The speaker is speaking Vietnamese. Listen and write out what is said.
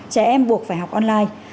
trẻ em buộc phải học online